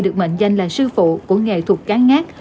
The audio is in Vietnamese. được mệnh danh là sư phụ của nghề thục cá ngát